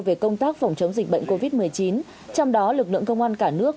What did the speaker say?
về công tác phòng chống dịch bệnh covid một mươi chín trong đó lực lượng công an cả nước